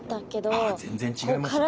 ああ全然違いますよね。